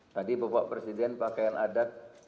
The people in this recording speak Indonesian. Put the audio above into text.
tadi bapak presiden pakaian adat